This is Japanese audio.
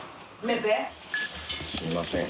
すいません